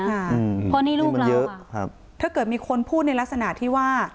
เพราะนี่ลูกเราถ้าเกิดมีคนพูดในลักษณะที่ว่า